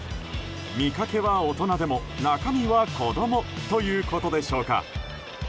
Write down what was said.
見かけは大人でも、中身は子供ということでしょうか。